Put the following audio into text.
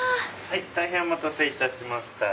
大変お待たせいたしました。